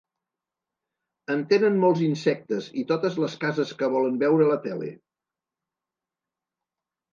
En tenen molts insectes i totes les cases que volen veure la tele.